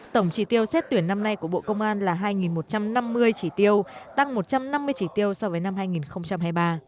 tổng chỉ tiêu xét tuyển năm nay của bộ công an là hai một trăm năm mươi chỉ tiêu tăng một trăm năm mươi chỉ tiêu so với năm hai nghìn hai mươi ba